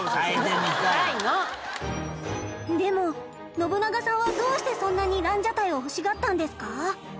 でも信長さんはどうしてそんなに蘭奢待を欲しがったんですか？